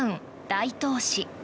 大東市。